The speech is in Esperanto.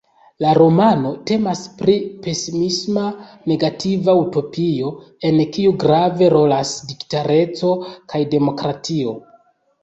La romano temas pri pesismisma negativa utopio en kiu grave rolas diktatoreco kaj demokratio.